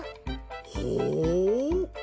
ほう。